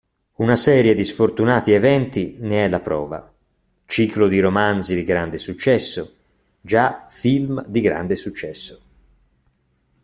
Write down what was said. Una serie di sfortunati eventi ne è la prova: ciclo di romanzi di grande successo, già film di grande successo.